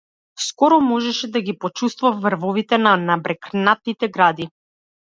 Скоро можеше да ги почуствува врвовите на набрекнатите гради.